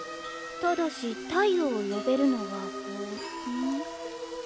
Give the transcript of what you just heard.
「ただし太陽を呼べるのは本」。